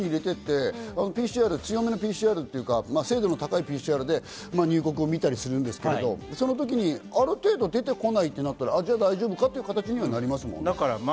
徐々に入れていって強めのＰＣＲ、精度の高いもので入国を見たりするんですけど、その時にある程度出てこないとなったら、大丈夫か？という形になりますもんね。